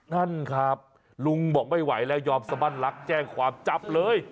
นั่นครับลุงบอกไม่ไหวแล้วยอมสบั้นลักแจ้งความจับเลย